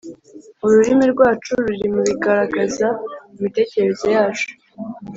ururimi rwacu ruri mu bigaragaza imitekerereze yacu